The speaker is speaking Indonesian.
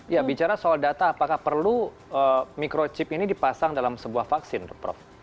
ya bicara soal data apakah perlu microchip ini dipasang dalam sebuah vaksin prof